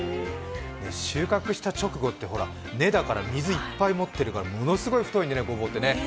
収穫した直後って根だから水いっぱい持ってるからものすごい太いんだよね、ごぼうってね。